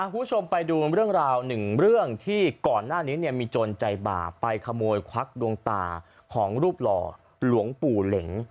คุณผู้ชมไปดูเรื่องราวหนึ่งเรื่องที่ก่อนหน้านี้มีโจรใจบาปไปขโมยควักดวงตาของรูปหล่อหลวงปู่เหล็ง